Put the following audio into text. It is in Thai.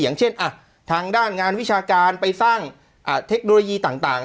อย่างเช่นทางด้านงานวิชาการไปสร้างเทคโนโลยีต่าง